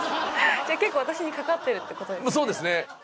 じゃあ結構私にかかってるってことですね。